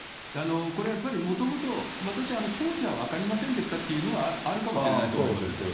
これはやっぱり、もともと私、当時は分かりませんでしたっていうのはあるかもしれないと思います。